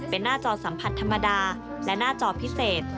เป็นหน้าจอสัมผัสธรรมดาและหน้าจอพิเศษ